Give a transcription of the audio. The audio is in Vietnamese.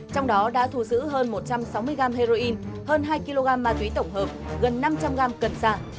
trong đó đã thù giữ hơn một trăm sáu mươi gram heroin hơn hai kg ma túy tổng hợp gần năm trăm linh gram cần xạ